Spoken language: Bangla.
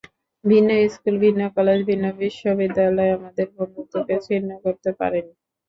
ভিন্ন স্কুল, ভিন্ন কলেজ, ভিন্ন বিশ্ববিদ্যালয় আমাদের বন্ধুত্বকে ছিন্ন করতে পারেনি।